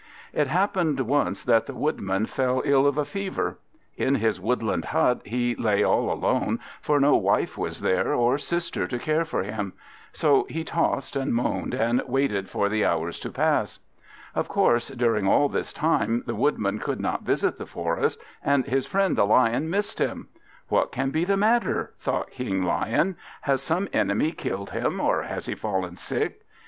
It happened once that the Woodman fell ill of a fever. In his woodland hut he lay all alone, for no wife was there, or sister to care for him. So he tossed and moaned, and waited for the hours to pass. Of course during all this time the Woodman could not visit the forest, and his friend the Lion missed him. "What can be the matter," thought King Lion. "Has some enemy killed him, or has he fallen sick?"